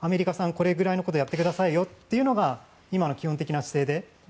これくらいのことをやってくださいよというのが今の基本的な姿勢で。